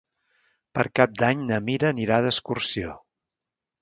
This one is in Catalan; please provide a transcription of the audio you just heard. Per Cap d'Any na Mira anirà d'excursió.